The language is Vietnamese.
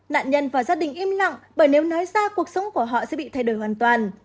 nạn nhân và gia đình im lặng bởi nếu nói ra cuộc sống của họ sẽ bị thay đổi hoàn toàn